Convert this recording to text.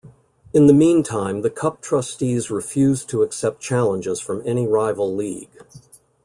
In the meantime, the Cup trustees refused to accept challenges from any rival league.